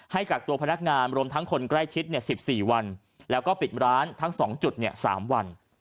กักตัวพนักงานรวมทั้งคนใกล้ชิด๑๔วันแล้วก็ปิดร้านทั้ง๒จุด๓วัน